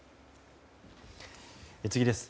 次です。